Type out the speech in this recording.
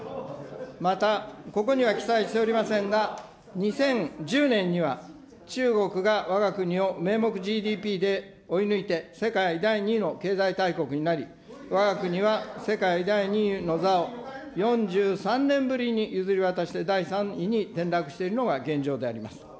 また、ここには記載しておりませんが、２０１０年には、中国がわが国を名目ＧＤＰで追い抜いて世界第２位の経済大国になり、わが国は世界第２位の座を４３年ぶりに譲り渡して、第３位に転落しているのが現状であります。